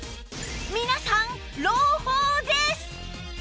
皆さん朗報です！